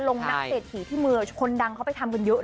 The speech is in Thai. นักเศรษฐีที่มือคนดังเขาไปทำกันเยอะ